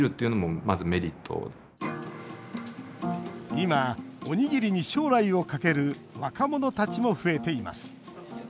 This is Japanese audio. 今、おにぎりに将来をかける若者たちも増えています。